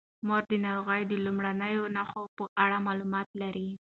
مور د ناروغۍ د لومړنیو نښو په اړه معلومات لري.